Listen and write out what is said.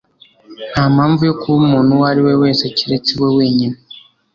Nta mpamvu yo kuba umuntu uwo ari we wese keretse we wenyine. ”